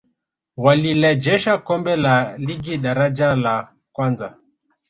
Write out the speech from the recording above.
walilejesha kombe la ligi daraja la kwanza